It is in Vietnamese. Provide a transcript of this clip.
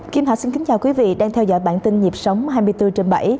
kim hạ xin kính chào quý vị đang theo dõi bản tin nhịp sống hai mươi bốn trên bảy